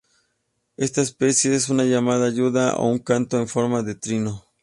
Esta especie una llamada aguda y un canto en forma de trino.